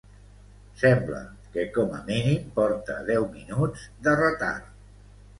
Sembla que com a mínim porta deu minuts de retard